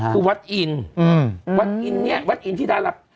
คือวัดอินวัดอินเนี่ยวัดอินที่ได้รับ